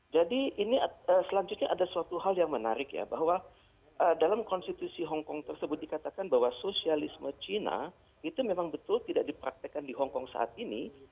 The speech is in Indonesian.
jadi ini selanjutnya ada suatu hal yang menarik ya bahwa dalam konstitusi hongkong tersebut dikatakan bahwa sosialisme china itu memang betul tidak dipraktekan di hongkong saat ini